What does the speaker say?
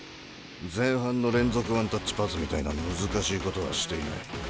前半の連続ワンタッチパスみたいな難しいことはしていない。